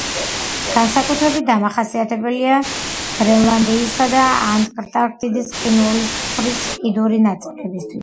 განსაკუთრებით დამახასიათებელია გრენლანდიისა და ანტარქტიდის ყინულსაფრის კიდური ნაწილებისათვის.